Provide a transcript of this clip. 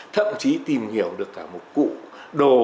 thậm chí tìm hiểu được cả một cụ đồ